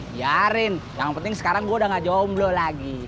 biarin yang penting sekarang gua udah ga jomblo lagi